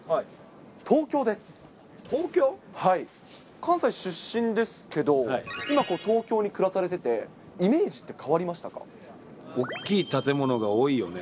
関西出身ですけど、今、東京に暮されてて、イメージって変わりま大きい建物が多いよね。